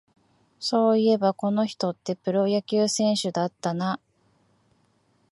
そういえば、この人ってプロ野球選手だったな